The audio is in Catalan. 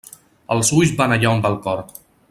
Els ulls van allà on va el cor.